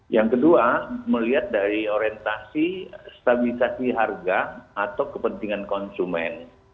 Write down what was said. yang kedua melihat dari orientasi stabilisasi harga atau kepentingan konsumen